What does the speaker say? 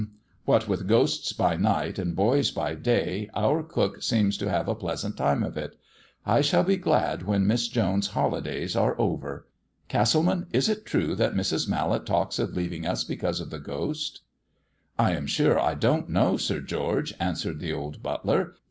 What with ghosts by night and boys by day, our cook seems to have a pleasant time of it; I shall be glad when Miss Jones's holidays are over. Castleman, is it true that Mrs. Mallet talks of leaving us because of the ghost?" "I am sure I don't know, Sir George," answered the old butler.